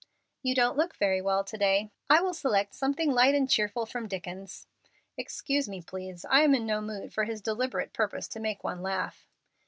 "You don't look very well to day. I will select something light and cheerful from Dickens." "Excuse me, please. I am in no mood for his deliberate purpose to make one laugh."